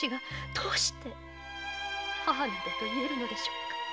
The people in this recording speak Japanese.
どうして母などと言えるのでしょうか。